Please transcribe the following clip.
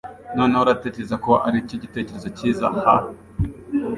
Noneho uratekereza ko aricyo gitekerezo cyiza, ha?